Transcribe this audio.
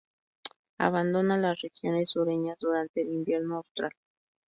Abandona las regiones sureñas durante el invierno austral.